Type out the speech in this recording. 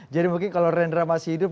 jadi mungkin kalau rendra masih hidup